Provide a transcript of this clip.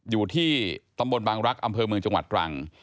อยู่ที่ตำบลบางรักษ์อำเภอเมืองจังหวัดตรัง